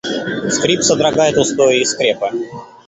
Скрип содрогает устои и скрепы.